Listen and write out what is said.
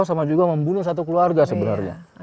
sama juga membunuh satu keluarga sebenarnya